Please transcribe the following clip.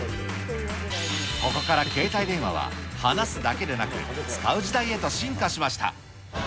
ここから携帯電話は、話すだけでなく、使う時代へと進化しました。